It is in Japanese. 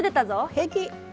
平気！